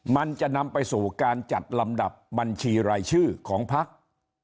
มันจะนำไปสู่การจัดลำดับบัญชีรายชื่อของพัก